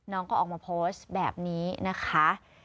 น้องก็ออกมาโพสต์แบบนี้นะคะ